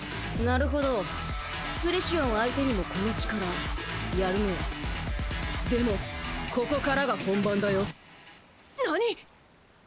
なるほどスプレシオン相手にもこの力やるねでもここからが本番だよなに！？